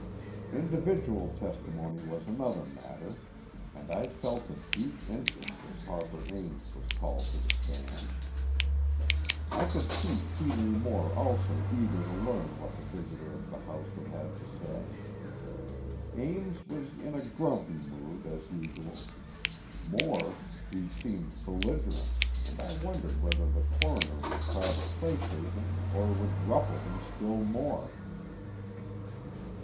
Individual testimony was another matter, and I felt a deep interest as Harper Ames was called to the stand. I could see Keeley Moore also eager to learn what the visitor of the house would have to say. Ames was in grumpy mood, as usual. More, he seemed belligerent, and I wondered whether the Coroner would try to placate him or would ruffle him still more.